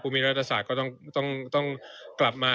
มีรัฐศาสตร์ก็ต้องกลับมา